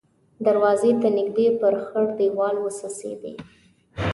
دروازې ته نږدې پر خړ دېوال وڅڅېدې.